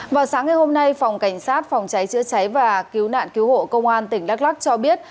vào sáng ngày hôm nay phòng cảnh sát phòng cháy chữa cháy và cứu nạn cứu hộ công an tỉnh đắk lắc cho biết